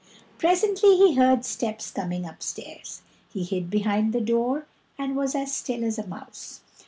Presently he heard steps coming upstairs. He hid behind the door, and was as still as a mouse.